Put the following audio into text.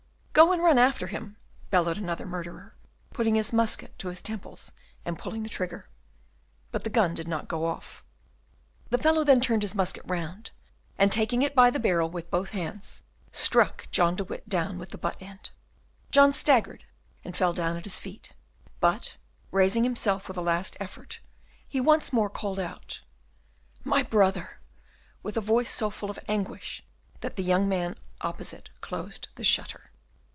"Go and run after him!" bellowed another murderer, putting his musket to his temples and pulling the trigger. But the gun did not go off. The fellow then turned his musket round, and, taking it by the barrel with both hands, struck John de Witt down with the butt end. John staggered and fell down at his feet, but, raising himself with a last effort, he once more called out, "My brother!" with a voice so full of anguish that the young man opposite closed the shutter.